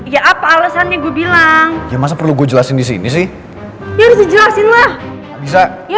ya apa alesannya gue bilang ya masa perlu gue jelasin disini sih ya udah dijelasin lah bisa ya